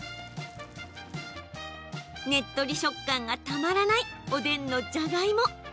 ねっとり食感がたまらないおでんのじゃがいも